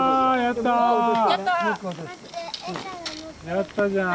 やったじゃん。